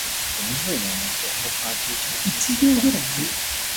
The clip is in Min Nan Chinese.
烏鴉歹喙，心無䆀